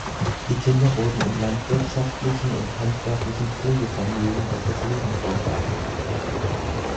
Die Kinder wurden in landwirtschaftlichen und handwerklichen Pflegefamilien auf das Leben vorbereitet.